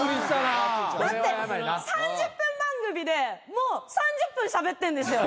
だって３０分番組でもう３０分しゃべってんですよ。